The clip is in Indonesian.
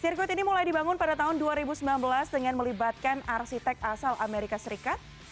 sirkuit ini mulai dibangun pada tahun dua ribu sembilan belas dengan melibatkan arsitek asal amerika serikat